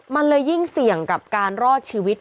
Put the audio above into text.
มันเลยยิ่งเสี่ยงกับการรอดชีวิต